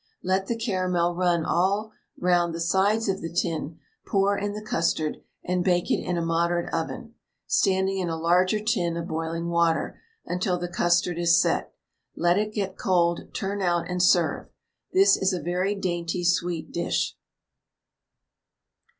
Let the caramel run all round the sides of the tin; pour in the custard, and bake it in a moderate oven, standing in a larger tin of boiling water, until the custard is set. Let it get cold, turn out, and serve. This is a very dainty sweet dish.